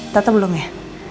tata belum ya